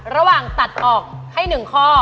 ระหว่างตัดออกให้๑ข้อ